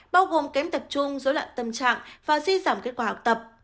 bao gồm kém tập trung rối loạn tâm trạng và di giảm kết quả học tập